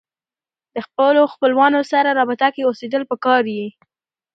د خپلو خپلوانو سره رابطه کې اوسېدل پکار يي